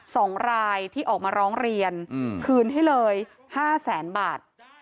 สองรายที่ออกมาร้องเรียนอืมคืนให้เลยห้าแสนบาท